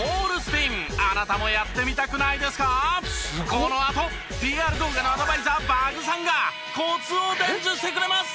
このあとＰＲ動画のアドバイザーＢＵＧ！？さんがコツを伝授してくれます！